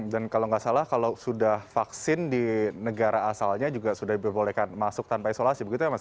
dan kalau nggak salah kalau sudah vaksin di negara asalnya juga sudah diperbolehkan masuk tanpa isolasi begitu ya mas